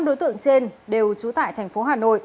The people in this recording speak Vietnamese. năm đối tượng trên đều trú tại tp hcm